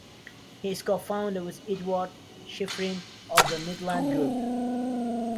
He is co-founder with Eduard Shifrin of the Midland Group.